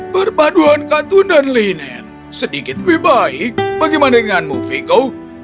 perpaduan katun dan linen sedikit lebih baik bagaimana denganmu viko